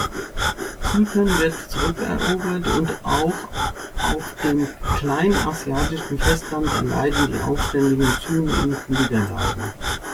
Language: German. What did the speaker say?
Zypern wird zurückerobert und auch auf dem kleinasiatischen Festland erleiden die Aufständischen zunehmend Niederlagen.